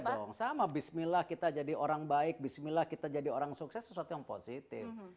dong sama bismillah kita jadi orang baik bismillah kita jadi orang sukses sesuatu yang positif